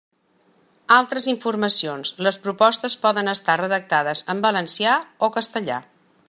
Altres informacions: les propostes poden estar redactades en valencià o castellà.